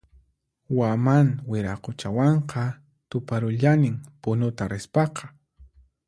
Waman Wiraquchawanqa tuparullanin Punuta rispaqa